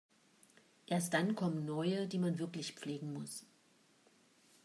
Erst dann kommen neue, die man wirklich pflegen muss.